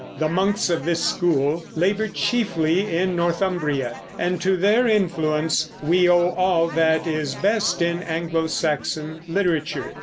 The monks of this school labored chiefly in Northumbria, and to their influence we owe all that is best in Anglo Saxon literature.